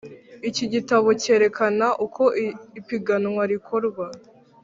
Iki gitabo cyerekana uko ipiganwa rikorwa